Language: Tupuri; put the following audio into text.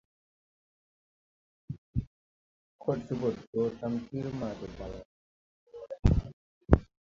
Kod se ɓo do tamsir ma de balaʼ de woʼré.